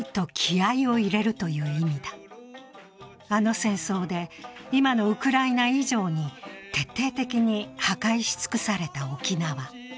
あの戦争で、今のウクライナ以上に徹底的に破壊し尽くされた沖縄。